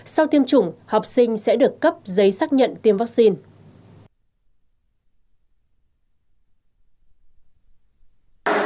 sau tiêm chủng học sinh sẽ được cấp giấy xác nhận tiêm vaccine